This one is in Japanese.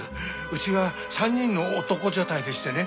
うちは３人の男所帯でしてね